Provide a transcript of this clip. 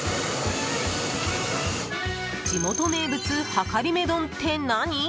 地元名物、はかりめ丼って何？